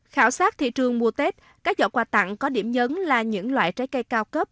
khảo sát thị trường mùa tết các giỏ quà tặng có điểm nhấn là những loại trái cây cao cấp